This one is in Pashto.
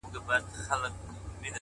• کورنۍ پرېکړه کوي د شرم له پاره,